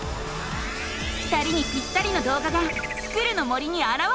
２人にぴったりのどうがが「スクる！の森」にあらわれた！